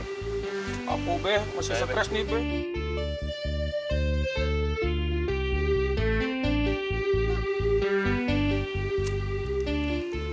aku be masih stres nih be